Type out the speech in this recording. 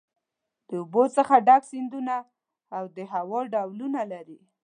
د اوبو څخه ډک سیندونه او د هوا ډولونه لري.